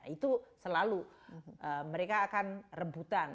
itu selalu mereka akan rebutan